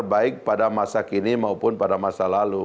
baik pada masa kini maupun pada masa lalu